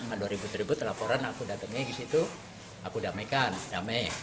ada ribut ribut laporan aku datangnya ke situ aku damaikan damai